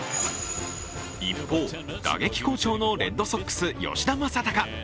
一方、打撃好調のレッドソックス・吉田正尚。